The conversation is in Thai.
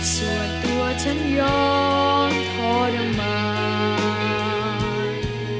ส่วนตัวฉันยอมทรมาน